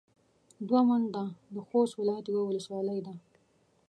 دوه منده د خوست ولايت يوه ولسوالي ده.